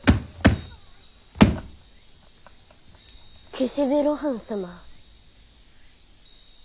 岸辺露伴様。